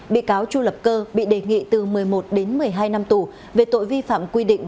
bị cáo chu lập cơ bị đề nghị từ một mươi một đến một mươi hai năm tù về tội vi phạm quy định